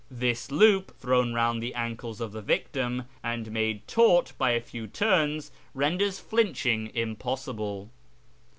This loop, thrown round the ankles of the victim, and made taut by a few turns, renders flinching impossible.